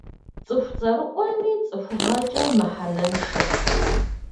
Цӏыху цӏэрыӏуэми цӏыхугъэкӏэ мыхьэнэншэщ.